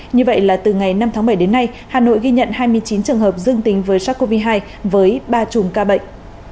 như vậy là từ ngày năm tháng bảy đến nay hà nội ghi nhận hai mươi chín trường hợp dương tính với sars cov hai với ba chùm ca bệnh